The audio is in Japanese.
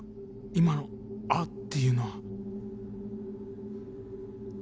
今の「あっ！」っていうのは